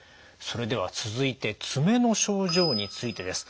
それでは続いて爪の症状についてです。